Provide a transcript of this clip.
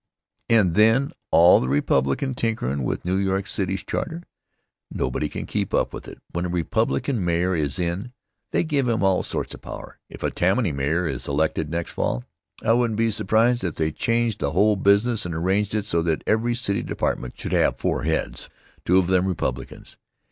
And then all the Republican tinkerin' with New York City's charter. Nobody can keep up with it. When a Republican mayor is in, they give him all sorts of power. If a Tammany mayor is elected next fall I wouldn't be surprised if they changed the whole business and arranged it so that every city department should have four heads, two of them Republicans.